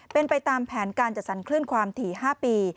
เป็นไปตามแผนการจัดสรรคลื่นความถี่๕ปี